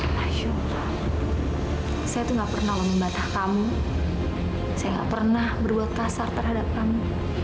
alhamdulillah saya tuh nggak pernah membatah kamu saya nggak pernah berbuat kasar terhadap kamu